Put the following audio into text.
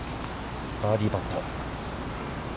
バーディーパット。